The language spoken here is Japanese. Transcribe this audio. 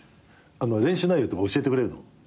練習内容とか教えてくれるの？